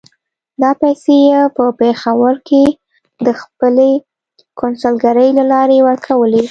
دا پیسې یې په پېښور کې د خپلې کونسلګرۍ له لارې ورکولې.